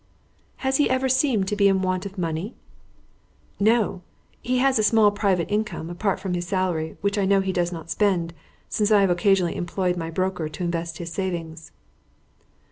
"Has he ever seemed to be in want of money?" "No. He has a small private income, apart from his salary, which I know he does not spend, since I have occasionally employed my broker to invest his savings."